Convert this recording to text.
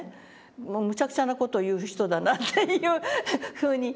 もうむちゃくちゃな事を言う人だなっていうふうに。